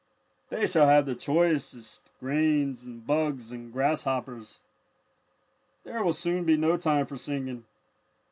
"They shall have the very choicest grains and bugs and grasshoppers. There will soon be no time for singing."